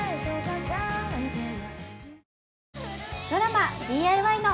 ドラマ「ＤＩＹ‼」の。